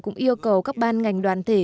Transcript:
cũng yêu cầu các ban ngành đoàn thể